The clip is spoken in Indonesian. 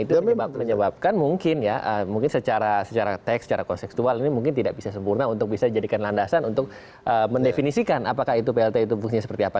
itu menyebabkan mungkin ya mungkin secara teks secara konseptual ini mungkin tidak bisa sempurna untuk bisa dijadikan landasan untuk mendefinisikan apakah itu plt itu fungsinya seperti apa